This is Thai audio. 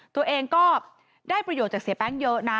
ตัวเองก็ได้ประโยชน์จากเสียแป้งเยอะนะ